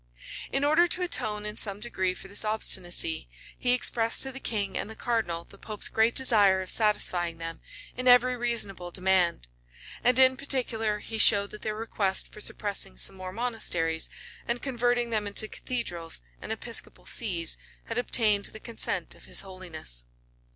[] In order to atone in some degree for this obstinacy, he expressed to the king and the cardinal the pope's great desire of satisfying them in every reasonable demand; and in particular, he showed that their request for suppressing some more monasteries, and converting them into cathedrals and episcopal sees, had obtained the consent of his holiness.